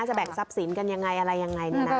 ก็จะแบ่งทรัพย์สินกันยังไงอะไรยังไงเนี่ยนะ